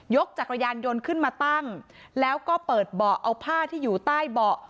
จักรยานยนต์ขึ้นมาตั้งแล้วก็เปิดเบาะเอาผ้าที่อยู่ใต้เบาะ